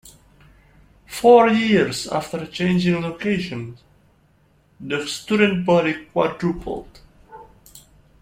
Four years after changing locations, the student body quadrupled.